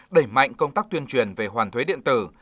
đẩy mạnh công tác tuyên truyền về hoàn thuế điện tử